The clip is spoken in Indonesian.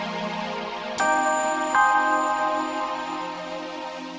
atau kakak kalo dia jadi pisangu eating